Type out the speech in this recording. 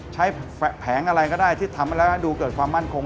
แผงอะไรก็ได้ที่ทำมาแล้วดูเกิดความมั่นคง